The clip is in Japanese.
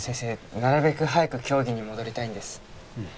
なるべく早く競技に戻りたいんですうん